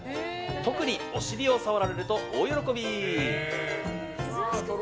特に、お尻を触られると大喜び！